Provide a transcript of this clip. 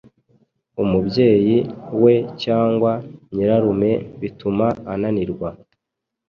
umubyeyi we cyangwa nyirarume bituma ananirwa